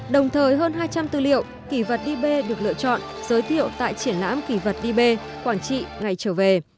đồng thời hơn hai trăm linh tư liệu kỳ vật db được lựa chọn giới thiệu tại triển lãm kỳ vật db quảng trị ngày trở về